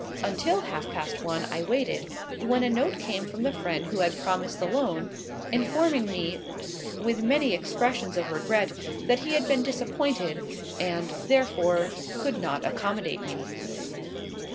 Until half past one I waited, when a note came from the friend who had promised the loan, informing me with many expressions of regret, that he had been disappointed, and, therefore, could not accommodate me.